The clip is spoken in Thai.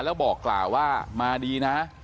แล้วบอกกล่าวว่ามาดีนะ